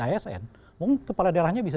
asn mungkin kepala daerahnya bisa